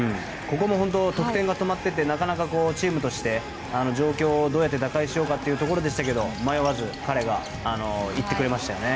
得点が止まっていてなかなかチームとして状況をどうやって打開しようかというところで迷わずに彼がいってくれましたね。